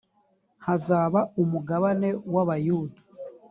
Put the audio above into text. hazaba umugabane wa yuda